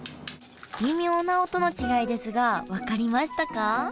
微妙な音の違いですが分かりましたか？